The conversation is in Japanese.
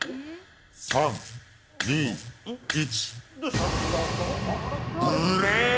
３２１。